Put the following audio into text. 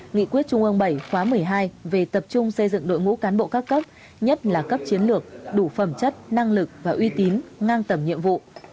nghị quyết trung ương bảy khóa một mươi hai về tập trung xây dựng đội ngũ cán bộ các cấp nhất là cấp chiến lược đủ phẩm chất năng lực và uy tín ngang tầm nhiệm vụ